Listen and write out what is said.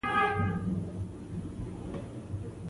مچمچۍ د کندو محافظت کوي